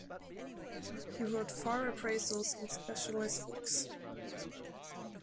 He wrote far appraisals and specialized books.